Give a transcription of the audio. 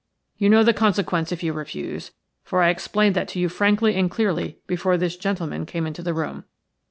You know the consequence if you refuse, for I explained that to you frankly and clearly before this gentleman came into the room.